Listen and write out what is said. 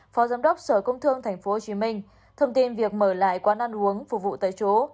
phó giám đốc sở công thương tp hcm thông tin việc mở lại quán ăn uống phục vụ tại chỗ